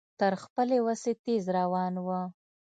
تر خپلې وسې تېز روان و.